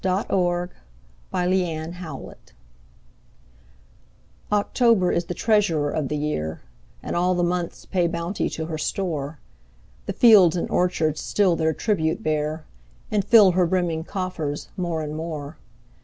Paul Laurence Dunbar October OCTOBER is the treasurer of the year, And all the months pay bounty to her store: The fields and orchards still their tribute bear, And fill her brimming coffers more and more.